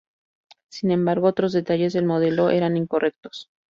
Sin embargo, otros detalles del modelo eran incorrectos.